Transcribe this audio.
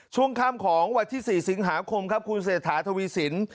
ช่วงค่ำของวันที่๔สิงหาคมครับคุณเศรษฐาทวีสิน